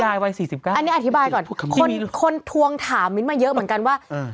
อันนี้อธิบายก่อนคนทวงถามมิ้นมาเยอะเหมือนกันว่า